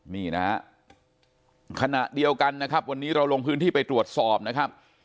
นี่นะฮะขณะเดียวกันนะครับวันนี้เราลงพื้นที่ไปตรวจสอบนะครับ